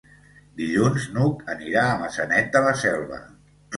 Dilluns n'Hug anirà a Maçanet de la Selva.